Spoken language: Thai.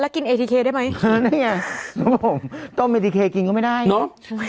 แล้วกินเอทีเคลได้ไหมนี่ไงผมต้มเอทีเคลกินก็ไม่ได้เนอะ